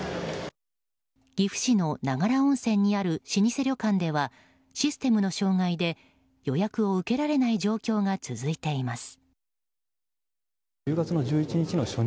岐阜市の長良温泉にある老舗旅館ではシステムの障害で予約を受けられない状況が続いています。